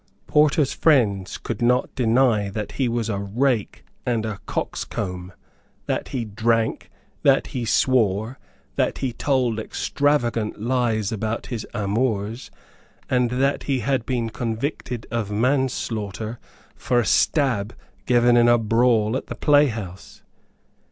Porter's friends could not deny that he was a rake and a coxcomb, that he drank, that he swore, that he told extravagant lies about his amours, and that he had been convicted of manslaughter for a stab given in a brawl at the playhouse.